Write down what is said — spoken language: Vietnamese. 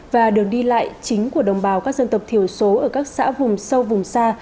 và đường đi lại chính của đồng bào các dân tộc thiểu số ở các xã vùng sâu vùng xa